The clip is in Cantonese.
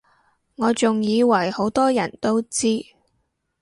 我仲以爲好多人都知